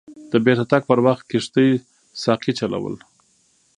د بیرته تګ پر وخت کښتۍ ساقي چلول.